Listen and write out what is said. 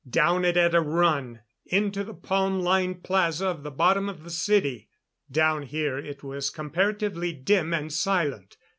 Down it at a run; into the palm lined plaza at the bottom of the city. Down here it was comparatively dim and silent.